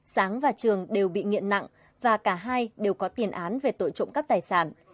sáng và trường đều bị nghiện nặng và cả hai đều có tiền án về tội trộm cắp tài sản